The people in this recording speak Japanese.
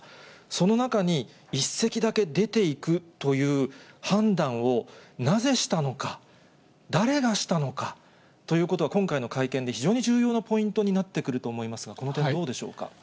その中に１隻だけ出ていくという、判断を、なぜしたのか、誰がしたのかということは今回の会見で非常に重要なポイントになってくると思いますが、この点、どうでしょうか。